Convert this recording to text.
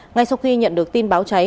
ngay sau khi nhận được tin báo cháy